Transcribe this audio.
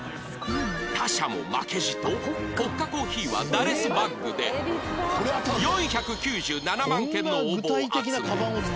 他社も負けじとポッカコーヒーはダレスバッグで４９７万件の応募を集め